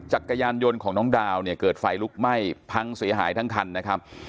จักรยานยนต์ของน้องดาวเนี่ยเกิดไฟลุกไหม้พังเสียหายทั้งคันนะครับ